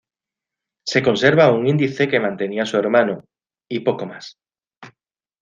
Se conserva un índice que mantenía su hermano, y poco más.